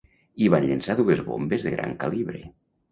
Hi van llençar dues bombes de gran calibre.